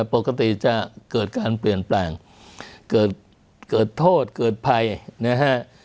ปกติจะเกิดการเปลี่ยนแปลงเกิดโทษเกิดภัยนะฮะ